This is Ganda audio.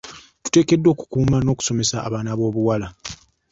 Tuteekeddwa okukuuma n'okusomesa abaana ab'obuwala.